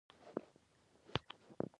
چې پخپله مې دستار پر سر خلاصیږي.